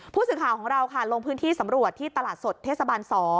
ผู้สื่อข่าวของเราค่ะลงพื้นที่สำรวจที่ตลาดสดเทศบาล๒